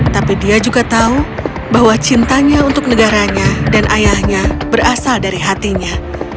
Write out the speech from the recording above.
tapi dia juga tahu bahwa cintanya untuk negaranya dan ayahnya berasal dari hatinya